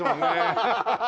ハハハハ！